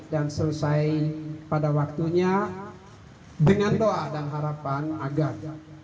dan selesai pada waktunya dengan doa dan harapan agar